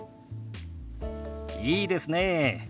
いいですねえ。